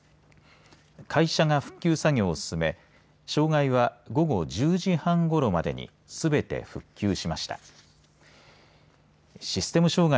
会社が復旧作業を進め障害は午後１０時半ごろまでにすべて復旧しました。